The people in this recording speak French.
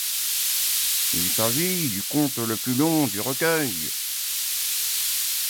Il s'agit du conte le plus long du recueil.